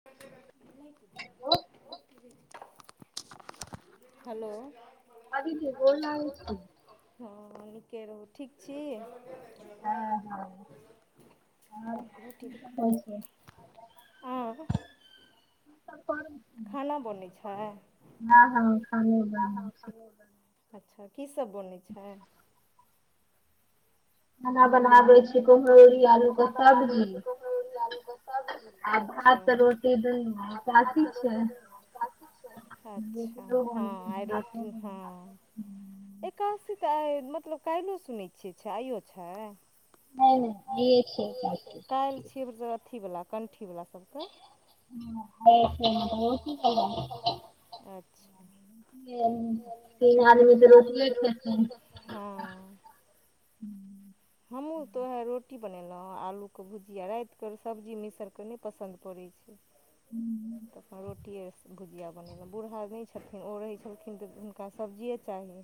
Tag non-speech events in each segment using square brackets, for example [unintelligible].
[inaudible] Hello हँ निके रहू ठीक छिई रोटी बे आए। सपर्म खाना बनै छैय। ना हम खाने बनैय। आऊ खाने बनेअच्छा की सभ बोनै छैय। खैनाई बनावैयछिई खाना बना बैय छिईकूंभरोडी़-आलू के सब्जी, अच्छा। [inaudible] अच्छा ह आइ रोटी हँ एकादशी तऽ आइ मतलब कैल्हो सुनै छियै छैय आइयो छैय। [inaudible] काल्हि छिये भैरसक अथीवला सभकेँ कंठी वला सभकेँ। [unintelligible] [unintelligible] तीन आदमी त रोटीए खेथीन। हँ हमू त उहे रोटी बनेलौ आलू के भुजिया, राएत के सब्जी मिसर के नै पसन्द पड़ै छै। हूँ। तखन रोटिए भुजिया बनेलौ बूढ़ा नै छथीन ओ रहै छथीन त हुनका सब्जिए चाही।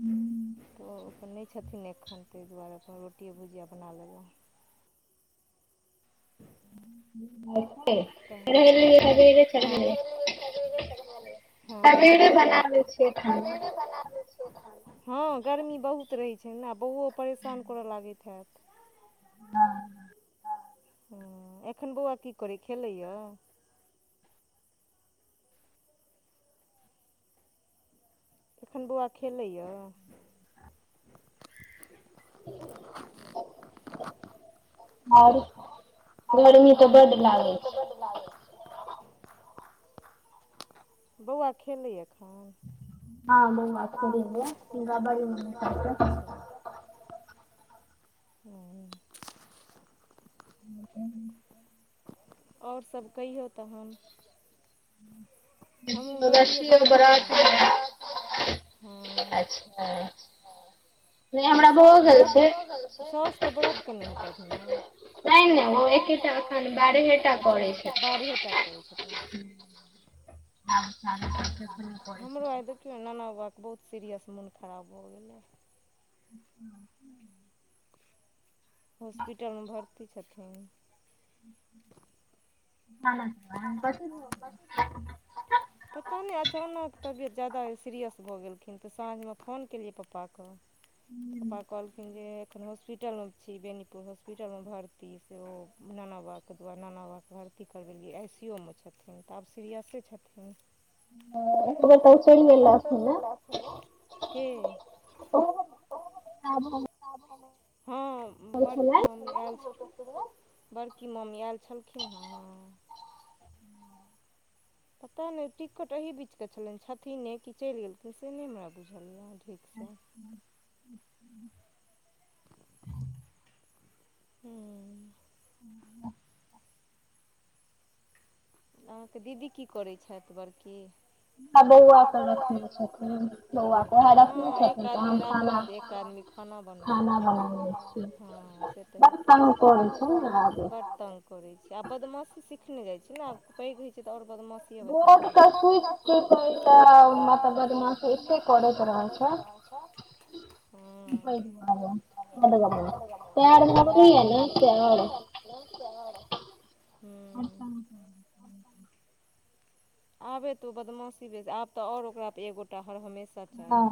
[inaudible] तो नै छथिन एखन तै दुआरे अपन रोटिए भुजिया बना लेलौं [inaudible] त हां नहेलिए सवेरे [unintelligible] हां सवेरे बना लै छीयै। हां गर्मी बहुत रहै छै नै बउवो परेशान करय लागैत हैत। [inaudible] हुं एखन बौआ की करै य खेलै य एखन बौवा खेलै य आओर गर्मी त बड लागय छै। [unintelligible] बौवा खेलय यै अ हां। हां बउवा खेलय यै, [unintelligible] हुं। [inaudible] आओर सब कहियौ तहन [unintelligible] अच्छा। वै [unintelligible] त सौस व्रत, सौस त व्रत केने हेथैथ न तै नै एकेटा अखन बारहेटा, बारहेटा करै छथीन अच्छा अच्छा। हूँ हमरो आइ देखियौ न नाना बाबाके बहुत सीरियस मुन खराब भऽ गेलै। [inaudible] हॉस्पिटल मे भर्ती छथिन। [unintelligible] कथि भ गेलै [inaudible] पता नै अचानक तबियत ज्यादा सीरियस भऽ गेलखिन त साँझ मे फोन केलियै पपा के पपा कहलखिन जे एखन हॉस्पिटल मे छी बेनीपुर हॉस्पिटल मे भर्ती से ओ नानाबा के दुआरे नान बाबाके भर्ती कर आइ सी ओ मे छथिन त आब सीरियसे छथिन। ओकरो कहुं चैलिए के, ओ [unintelligible] आब हम [unintelligible] हां बड़की मम मी ऐल छै बड़की मम्मी ऐल छलखिन्हँ हें पता नै टिकट एहि बीच के छलेन छथिने कि चैल गेलखिन्ह से नै हमरा बुझल यै। ठीक छै। [inaudible] [inaudible] हूँ। अहाँके दीदी की करै छथि बड़की आब बउवा सनक ई छथीन, अच्छा हां एक आदमी राखू तै एक आदमी के खाना बनाउ, खाना बनाउ हां से तै हइते छै, बड़ तंग करे छै ना बड़ तंग करैत छी आब बदमाशी सीखने जाइत छी ने आब पैघ होइत छै तऽ और बदमाशी केबचा छि मात बात मे एतेक गढ़ चढ़ा छै ह ह हु आब ए तऽ ओ बदमाशी आब तऽ और ओकरापर ए गोटा हर हमेशा चाही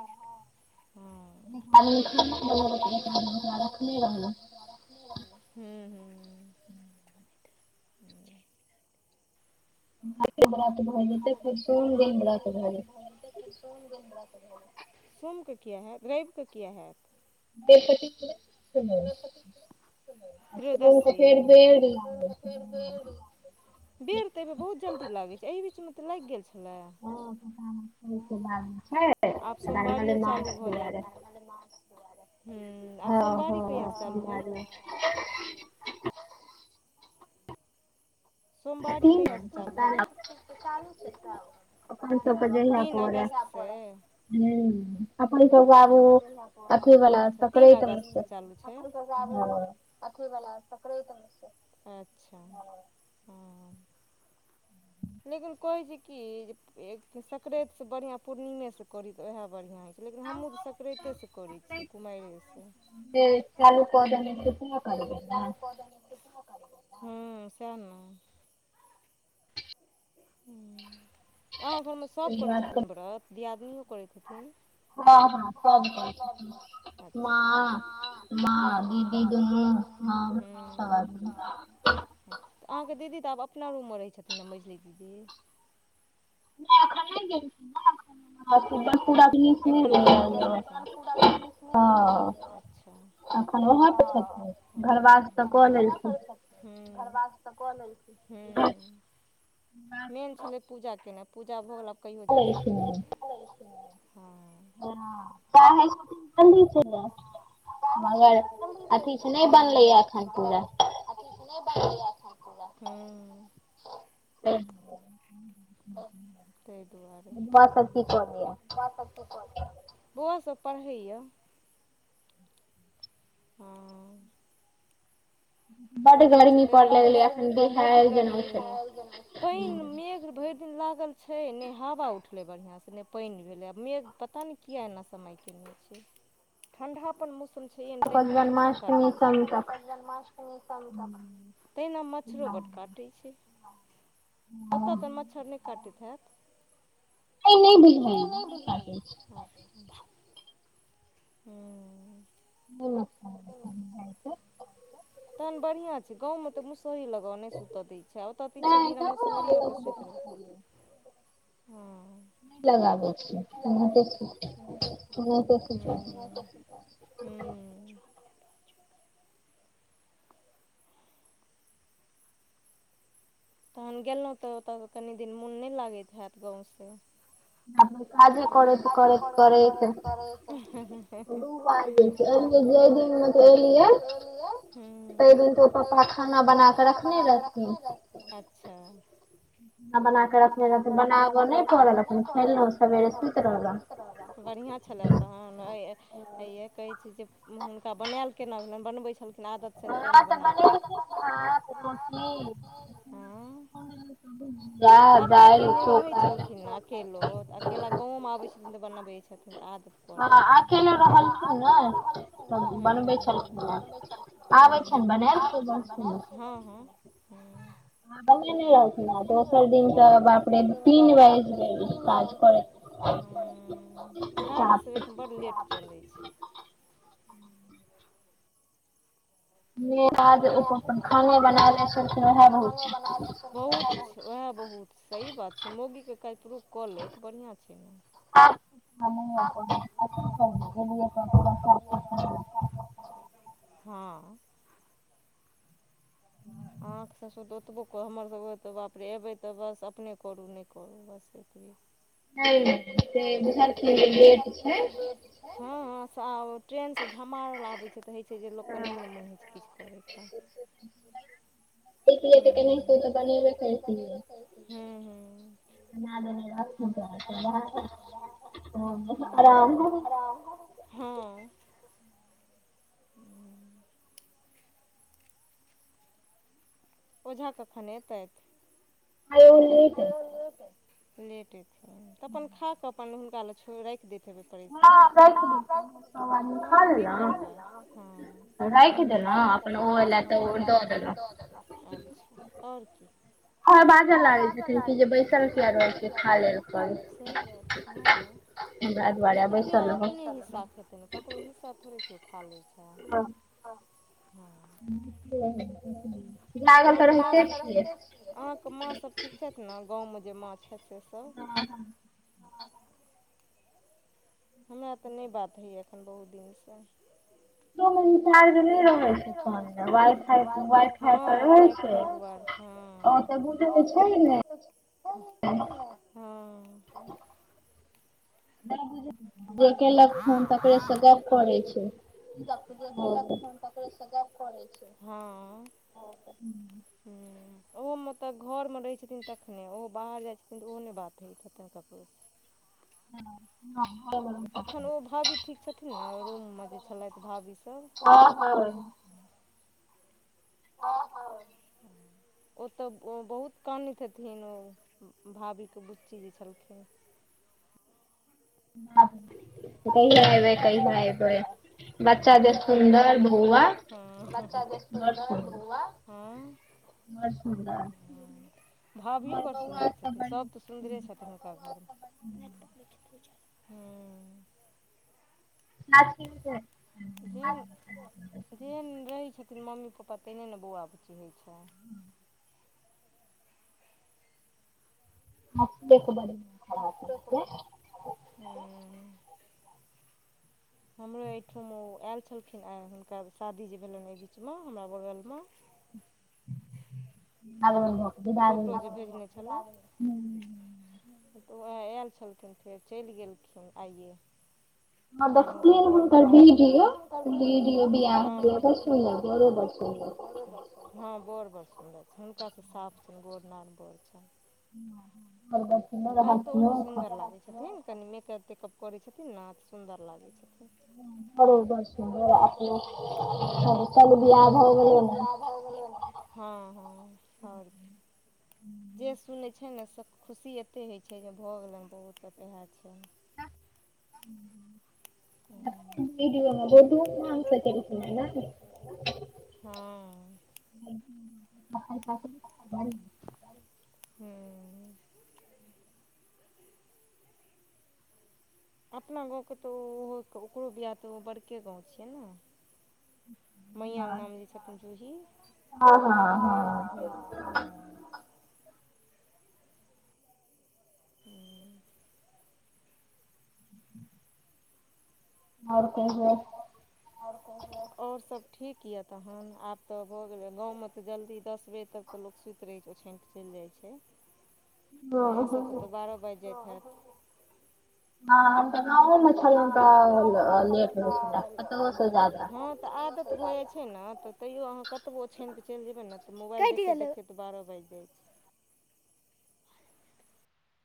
आ आदमी सब रखने रहलहुँ हू हु बरात भऽ जेतै से सोम दिन बरात भऽतै सोमके किए हयत रविके किए होयत दे पति त्रियोदशी बेर तऽ एबैर बहुत जल्दी लागैत छै एहि बीचमे तऽ लागि गेल छलए ओ त छैम मछआर हँ हँ सम्भाल सोमवारी कहियास से चालू छै पता ने तीन अगस्त से हू तीन अगस्त से चालू छै अथी बला अच्छा है लेकिन कहैत छै की जे सक्रैत से बढ़ियां पूर्णिमे से करी त उहे बढ़ियां होइत छै लेकिन हमहु तऽ सकराातेसँ करै छियै कुमारेसँ हँ सएह ने ह अहाँ घरमे सभ करैत छथिन व्रत दियादनियओ करैत छथिन सब‌करैत जतिन मां बाप ह तऽ अहाँके दीदी तऽ आब अपना रूममे रहै छथिन ने मझली दीदी नहि अख नहि गेल [inaudible] [inaudible] [inaudible] एखन घरे पर छथिन अच्छा अखन वहाँ पर छथिन घरवास तऽ कऽ लेलखिन घरबास तो क लेलखिन मेन छलै पूजा केनाइ पूजा भऽ गेल आब कहियो जा सकै छै हँ हँ मगर अथीसँ नहि बनलैए एखन पूरा अथी से नहि बनलै य एखन पूरा ह [inaudible] [inaudible] ताहि दुआरे ह बौआ सब पढ़ैए ह। पढ़ै छै ताहि दुआरे बड़ गर्मी पइन मेघ भरि दिन लागल छै ने हवा उठले बढ़िया से ने पानि भेले मे पता ने किया एना समय केने ठंडा अपन मौसम। तहिना मच्छर कटट [unintelligible] तहिना मच्छरो बड़ काटै छै ओतय तऽ मच्छर नहि काटैत हैत। नहि बुझा [unintelligible] हू ह। तहन बढ़िआ छै गावमे तऽ मुसहरी लगाऊ नय सुत दै छै ओत कि छय बिना मुसहरियो के सुति रहु हा लगाब ले छिय लगाबै ह हू [unintelligible] तहन गेलहुँ तऽ ओत ओतय कनि दिन मोन नहि लागैत हयैत गाऊं स ने काजे करैत करैत करैत दू बाइज गेलऽ जय दिन मे तऽ एलियै तहि दिन के पप्पा खाना बना क रखने रहेथ ह। अच्छा। आ बना कऽ आ बना कऽ रखने रहब तऽ बनाबऽ नहि पड़ल सवेरे सुत रहबा बढ़िआ छलै तहन आ य ह य कहैत छै जे हुनका बनायल केना बनबै छलखिन आदत हा तऽ बनेलै भात रोटी डायल [unintelligible] दाल चोखा। अकेलो अकेला गावो मे आबै छथिन तऽ बनबै छथिन तऽ आद अकेले रहलखिन नै बनबै छलखिन हू आबय छन बनैल हूँ हूँ ह बनिय लऔ तऽ लऽ ओसर दिन ते तीन बारे सा गाड़ी सभ एखन बड़ लेट चलै छै हू पुरुख पातके काज अपन अपन खाने बना लऽ बहुत वे बहुत छअय सही बात छै मोगी के काज पुरुख कऽ लेत बढ़िआ छै ने हमिय [unintelligible] हा अहाँकेँ ससुर तऽ ओतबो कह हमर सभके तऽ बाप रे अबै तऽ बस अपने करू नहि करू बस एतबी बर खेल। [unintelligible] हाँ साहो ट्रेन सँ झमारल आबै छै तऽ होई छै जे लोक के नहि ने मोन होइ छै किछु करै के [inaudible] ह ह [unintelligible] [unintelligible] हा ओझा कखन एतै आरे ओ लेट ऐठ लेट ऐठ तऽ अपन खाकऽ अपन हुनका ले छोर राखि देत खबे करि तऽ हँ तऽ कि करबै ह रायख डेलाऊ अपन ओ लेथ तऽ ओ द देलेथ आ बाजल लागै छैथिन कि जे बैसल किया रहल छै खा लेलऽ कर सही बात छय लेखिन किओ अपने हिस्सा खेते ने करो हिस्सा थोड़े केओ खा ले छै बस। तऽ ह लागल तऽ रहिते छियै। अपना गाव मे जे माछ हेतइ सभ ह। हमरा तऽ नहि बात होइए एखन बहुत दिनसँ च् नहि रह छै फ ह व फाई दु [unintelligible] ह ह। [unintelligible] जे केलक फोन तकरेसँ गप करे छै केकरो सँ गप करय छय हू हू ओहोमत घर मे रहै छथिन तखने ओहो बाहर जाइ छथिन तऽ ओहो नहि बात होइत हेतइन करो। ह ह बबर। एखन ओ भाभी ठीक छथिन नै रूममे जे छेलाइथ भाभी सभ ह ह। ह ह ओ तऽ बहुत काणइत हेथिन ओ भाभी के बुच्ची जे छलखिन कहिया एबै कहिया एबै। हम कहिया एबै कहिया एबै हम्म बच्चा जे सुन्दर भौआ ह। भाभियो बड़ सुन्दर छथिन सभ तऽ सुन्दरे छथिन हुनका घर मे अपने किछ। हम नाचके जेहन जेहन रहइ छथिन मम्मी पप्पा तेहने नै बऊआ बुच्ची होइ छय म ब बड़ [unintelligible] हू [unintelligible] हमरो एहिठाम ओ आयल छलखिन आय हुनका शादी जे भेलनि एहि बीच मे हमरा बगलमे आब। फोटो जे भेजने छलहु। तऽ उएह आयल छलखिन फेर चलि गेलखिन आई ये काल्हि हुनकर बड़के बात ह ह बौड़ बड़ सुन्दर छनि हुनकासँ साफ छनि गोर नार बड़ छनि भऽ हाथियखा छथि ने कनि मेकअप तेकअप करै छथिन नै तऽ सुन्दर लागै छथिन बरो बर सुन्दर चल हम्म हँ हँ और कि जे सुनै छै ने सभ खुशी एते कऽ होइत छै जे भऽ गेलनि बहुत इएह छै हम्म हन अलस। ह क [unintelligible] हू अपना गावके तऽ ओहो ओकरो वियाह तऽ ओ बड़के गाव छियै ने मइया अंगना मे छथिन थे जूही ह ह ह और कहियो। और सभ ठीक यऽ तहन आब तऽ भऽ गेले गावमे तऽ जल्दी दस बजे तक तऽ लोक सुईत रहै छै ओ छानिकऽ चलि जाई छै अहाँ सभके तऽ बारह बाइज जाइत हैत हँ हम तऽ गावो मे छी हँ हम तऽ गावो मे छलहुँ तऽ लेट होइ छला तऽ आदत भऽ जाइ छै ने तऽ तैयो अहाँ कतबौ ओ ओझइन पे चलि जेबै ने तऽ मोबाइल देख तऽ बारह बाजि जाई